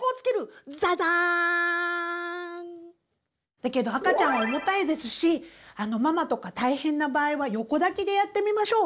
だけど赤ちゃん重たいですしママとか大変な場合は横抱きでやってみましょう。